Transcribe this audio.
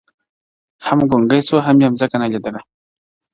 هم ګونګی سو هم یې مځکه نه لیدله،